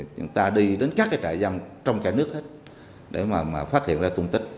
chúng ta đi đến các cái trại giam trong cả nước hết để mà phát hiện ra tung tích